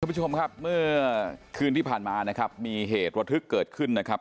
ผู้ชมครับเมื่อคืนที่ผ่านมานะครับมีเหตุระทึกเกิดขึ้นนะครับ